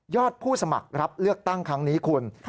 ผู้สมัครรับเลือกตั้งครั้งนี้คุณ